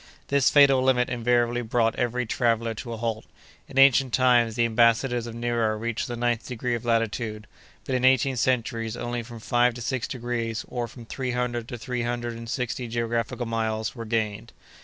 This fatal limit invariably brought every traveller to a halt. In ancient times, the ambassadors of Nero reached the ninth degree of latitude, but in eighteen centuries only from five to six degrees, or from three hundred to three hundred and sixty geographical miles, were gained.